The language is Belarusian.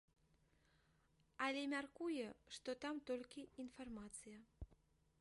Але мяркуе, што там толькі інфармацыя.